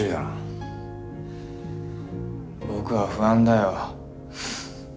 僕は不安だよ。